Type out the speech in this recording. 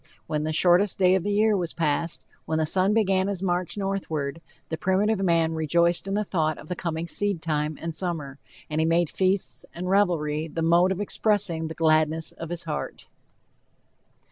When the shortest day of the year was passed, when the sun began his march northward, the primitive man rejoiced in the thought of the coming seedtime and summer, and he made feasts and revelry the mode of expressing the gladness of his heart.